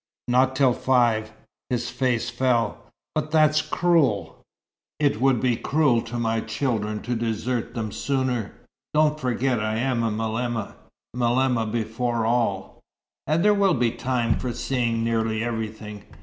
"Not till five." His face fell. "But that's cruel!" "It would be cruel to my children to desert them sooner. Don't forget I am malema malema before all. And there will be time for seeing nearly everything.